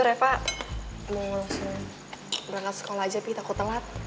nah kalau gitu reva mau langsung berangkat sekolah aja pi takut telat